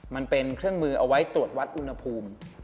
มันเป็นเครื่องมือเอาไว้ตรวจวัดอุณหภูมิ